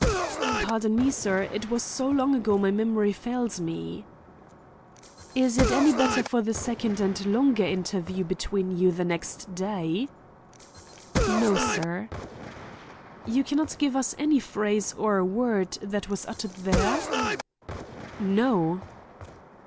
"Pardon me, sir; it was so long ago my memory fails me." "Is it any better for the second and longer interview between you the next day?" "No—sir." "You can not give us any phrase or word that was uttered there?" "No."